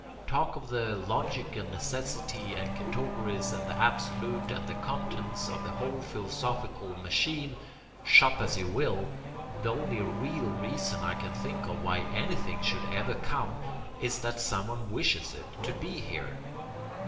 Talk of logic and necessity and categories and the absolute and the contents of the whole philosophical machine shop as you will, the only REAL reason I can think of why anything should ever come is that someone wishes it to be here.